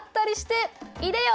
いでよ！